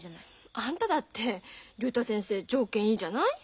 あんただって竜太先生条件いいじゃない？